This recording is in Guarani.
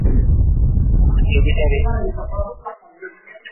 Ojevy jave.